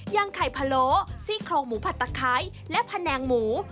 ยังไข่พะโลซี่ครองหมูผัดไข่และพะแนงหมู